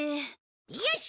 よし！